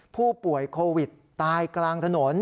ผู้ป่วยโควิดตายกลางถนน